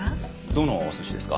どのお寿司ですか？